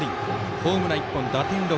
ホームラン１本、打点６。